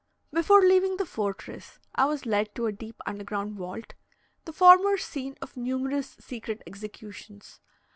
Before leaving the fortress, I was led to a deep underground vault the former scene of numerous secret executions.